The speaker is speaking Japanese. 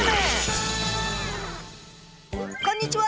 こんにちは！